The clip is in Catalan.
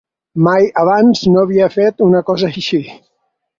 Mai abans no havia fet una cosa així.